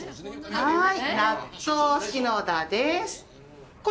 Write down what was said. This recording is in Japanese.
はい。